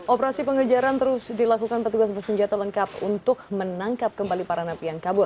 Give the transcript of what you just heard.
operasi pengejaran terus dilakukan petugas bersenjata lengkap untuk menangkap kembali para napi yang kabur